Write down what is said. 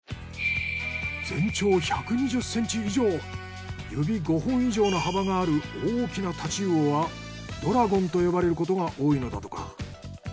全長１２０センチ以上指５本以上の幅がある大きな太刀魚はドラゴンと呼ばれることが多いのだとか。